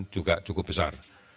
juga cukup besar